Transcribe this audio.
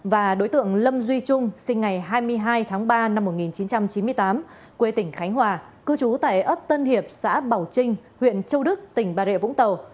và đối tượng lâm duy trung sinh ngày hai mươi hai tháng ba năm một nghìn chín trăm chín mươi tám quê tỉnh khánh hòa cư trú tại ấp tân hiệp xã bảo trinh huyện châu đức tỉnh bà rịa vũng tàu